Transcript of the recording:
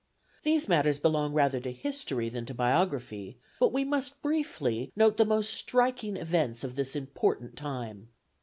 These matters belong rather to history than to biography, but we must briefly note the most striking events of this important time.